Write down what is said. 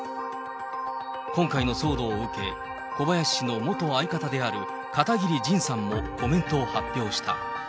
今回の騒動を受け、小林氏の元相方である片桐仁さんもコメントを発表した。